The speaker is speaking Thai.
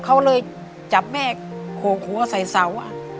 เขาเลยจับแม่โขกหัวใส่เสา